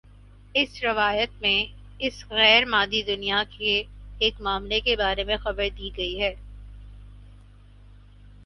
اس روایت میں اس غیر مادی دنیا کے ایک معاملے کے بارے میں خبردی گئی ہے